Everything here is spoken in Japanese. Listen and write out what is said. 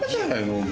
お前。